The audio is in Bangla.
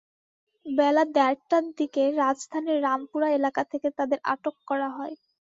বেলা দেড়টার দিকে রাজধানীর রামপুরা এলাকা থেকে তাঁদের আটক করা হয়।